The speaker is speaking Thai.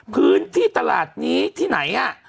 พื้นที่ตลาดนี้ที่ไหน